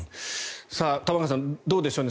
玉川さん、どうでしょうね